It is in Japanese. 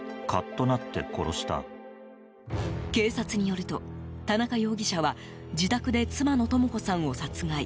警察によると、田中容疑者は自宅で妻の智子さんを殺害。